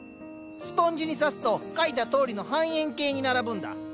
スポンジに挿すと描いたとおりの半円形に並ぶんだ。